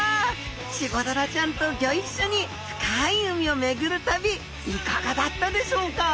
チゴダラちゃんとギョ一緒に深い海を巡る旅いかがだったでしょうか？